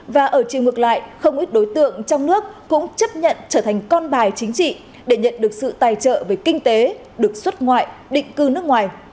và ở chiều ngược lại không ít đối tượng trong nước cũng chấp nhận trở thành con bài chính trị để nhận được sự tài trợ về kinh tế được xuất ngoại định cư nước ngoài